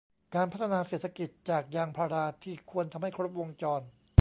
การพัฒนาเศรษฐกิจจากยางพาราที่ควรทำให้ครบวงจร